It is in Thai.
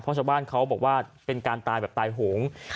เพราะชาวบ้านเขาบอกว่าเป็นการตายแบบตายโหง